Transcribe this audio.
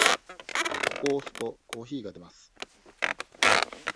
ここを押すと、コーヒーが出ます。